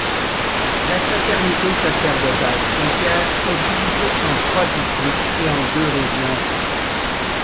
La Fraternité sacerdotale Saint-Pierre est divisée en trois districts et en deux régions.